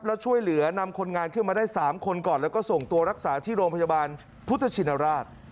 แล้วช่วยเหลือนำคนงานขึ้นมาได้๓คนก่อนแล้วก็ส่งตัวรักษาที่โรงพยาบาลพุทธชินราช